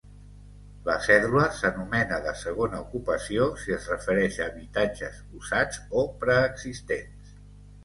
La cèdula s’anomena de segona ocupació si es refereix a habitatges usats o preexistents.